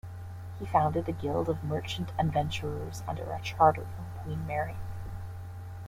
He founded a guild of Merchant Adventurers under a charter from Queen Mary.